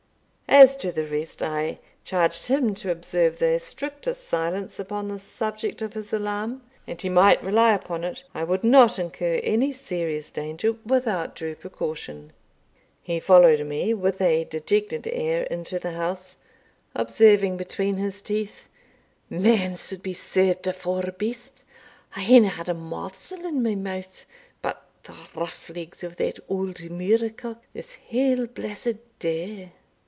As to the rest, I charged him to observe the strictest silence upon the subject of his alarm, and he might rely upon it I would not incur any serious danger without due precaution. He followed me with a dejected air into the house, observing between his teeth, "Man suld be served afore beast I haena had a morsel in my mouth, but the rough legs o' that auld muircock, this haill blessed day."